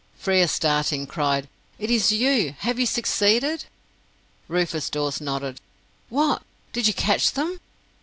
Frere, starting, cried, "It is you! Have you succeeded?" Rufus Dawes nodded. "What! Did you catch them?"